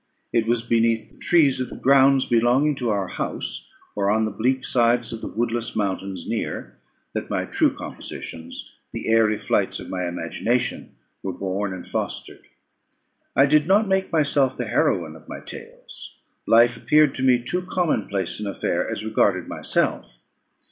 It was beneath the trees of the grounds belonging to our house, or on the bleak sides of the woodless mountains near, that my true compositions, the airy flights of my imagination, were born and fostered. I did not make myself the heroine of my tales. Life appeared to me too common place an affair as regarded myself.